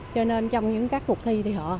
cho nên trong những các cuộc thi